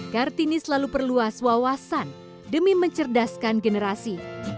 kartini selalu perluas wawasan demi mencerdaskan generasi